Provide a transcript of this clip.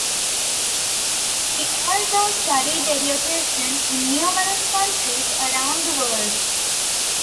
He also studied education in numerous countries around the world.